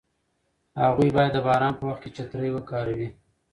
هغوی باید د باران په وخت کې چترۍ وکاروي.